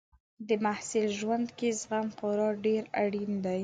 د محصل ژوند کې زغم خورا ډېر اړین دی.